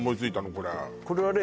これこれはね